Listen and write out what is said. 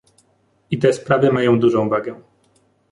I te sprawy mają dużą wagę